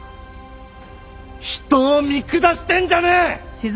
人を見下してんじゃねえ！